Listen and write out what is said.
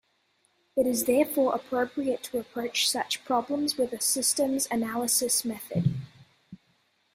It is therefore appropriate to approach such problems with a systems analysis method.